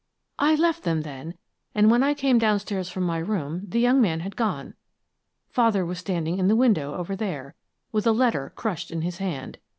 "I left them then, and when I came downstairs from my room, the young man had gone. Father was standing in the window over there, with a letter crushed in his hand.